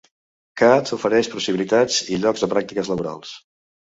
Cadw ofereix possibilitats i llocs de pràctiques laborals.